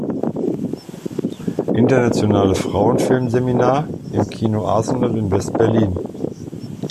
Internationale Frauen-Filmseminar im Kino Arsenal in West-Berlin.